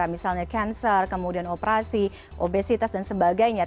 misalnya cancer kemudian operasi obesitas dan sebagainya